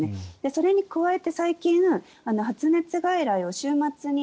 それに加えて最近発熱外来を週末に